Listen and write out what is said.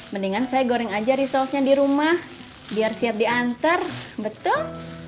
mendingan saya goreng aja resolve nya di rumah biar siap diantar betul